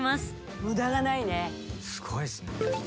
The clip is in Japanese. すごいですね。